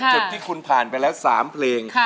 จุดที่คุณผ่านไปแล้ว๓เพลง